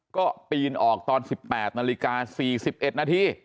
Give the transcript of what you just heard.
ก็ปีนออกตอน๑๘นาฬิกา๔๑นาที